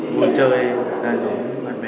vui chơi đàn đống bạn bè